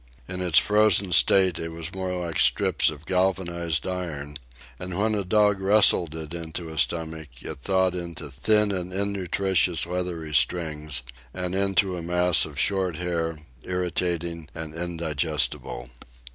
In its frozen state it was more like strips of galvanized iron, and when a dog wrestled it into his stomach it thawed into thin and innutritious leathery strings and into a mass of short hair, irritating and indigestible.